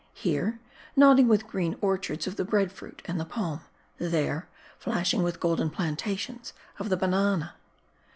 Here, nodding with green orchards of the Bread fruit and the Palm ; there, flashing with golden plantations of the Ba nana.